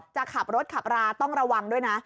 จะขับรถขับราต้องระวังด้วยนะ